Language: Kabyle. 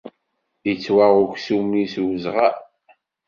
Yettwaɣ uksum-nni s uzɣal.